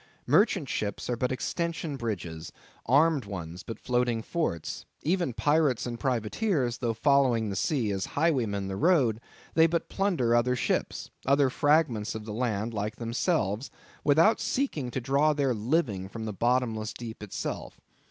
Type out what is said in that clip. Merchant ships are but extension bridges; armed ones but floating forts; even pirates and privateers, though following the sea as highwaymen the road, they but plunder other ships, other fragments of the land like themselves, without seeking to draw their living from the bottomless deep itself.